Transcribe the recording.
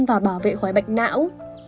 và bảo vệ khói bệnh não